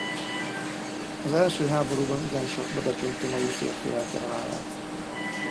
Az I háborúban igen sok badacsonytomaji férfi lelte halálát.